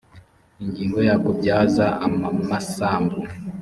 ingingo ya kubyaza amamsambu